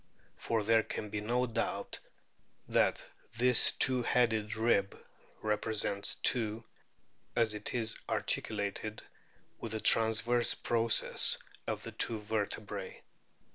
For there can be no doubt that this two headed rib represents two, as it is articulated with the transverse processes of two vertebrae.